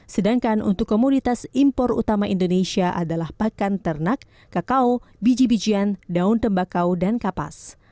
sedangkan untuk komoditas impor utama indonesia adalah pakan ternak kakao biji bijian daun tembakau dan kapas